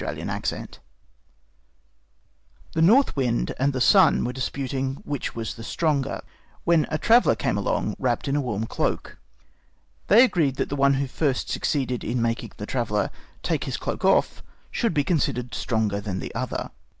Orthographic version The North Wind and the Sun were disputing which was the stronger, when a traveler came along wrapped in a warm cloak. They agreed that the one who first succeeded in making the traveler take his cloak off should be considered stronger than the other.